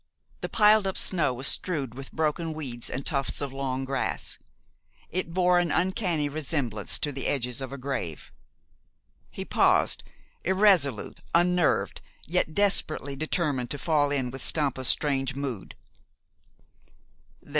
The piled up snow was strewed with broken weeds and tufts of long grass. It bore an uncanny resemblance to the edges of a grave. He paused, irresolute, unnerved, yet desperately determined to fall in with Stampa's strange mood.